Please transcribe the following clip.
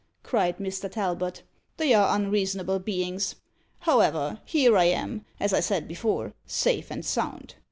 cried Mr. Talbot. "They are unreasonable beings. However, here I am, as I said before, safe and sound.